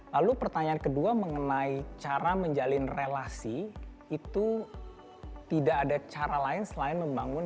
lalu pertanyaan kedua mengenai cara menjalin relasi itu tidak ada cara lain selain membangun